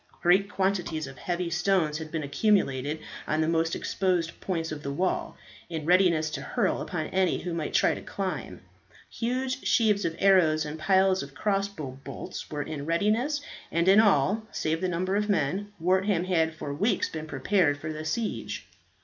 Great quantities of heavy stones had been accumulated on the most exposed points of the walls, in readiness to hurl upon any who might try to climb. Huge sheaves of arrows and piles of crossbow bolts, were in readiness, and in all, save the number of men, Wortham had for weeks been prepared for the siege.